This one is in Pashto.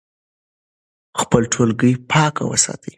خپل ټولګی پاک وساتئ.